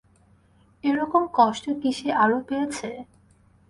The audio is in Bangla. এ-রকম কষ্ট কি সে আরো পেয়েছে?